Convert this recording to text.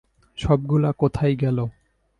সবগুলা কোথায় গেল?